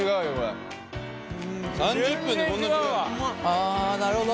あなるほど。